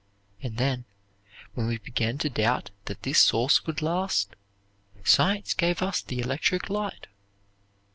And then, when we began to doubt that this source would last, Science gave us the electric light.